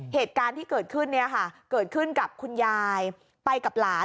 เหตุการณ์ที่เกิดขึ้นเนี่ยค่ะเกิดขึ้นกับคุณยายไปกับหลาน